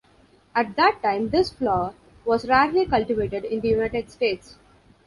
At that time this flower was rarely cultivated in the United States.